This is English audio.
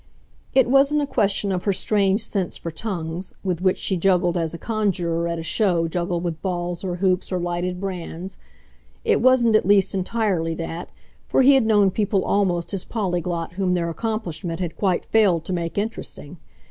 It wasn't a question of her strange sense for tongues, with which she juggled as a conjuror at a show juggled with balls or hoops or lighted brands it wasn't at least entirely that, for he had known people almost as polyglot whom their accomplishment had quite failed to make interesting.